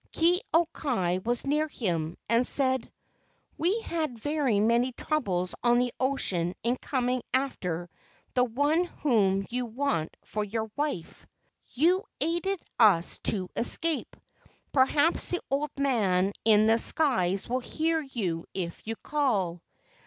Ke au kai was near him, and said: "We had very many troubles on the ocean in coming after the one whom you want for your wife. You 184 LEGENDS OF GHOSTS aided us to escape; perhaps the old man in the skies will hear you if you call."